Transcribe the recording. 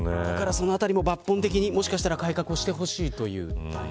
そのあたりも抜本的に改革をしてほしいという。